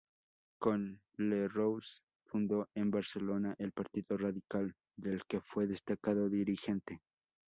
Con Lerroux fundó en Barcelona el Partido Radical, del que fue destacado dirigente.